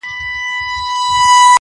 o کږه غاړه توره نه وهي٫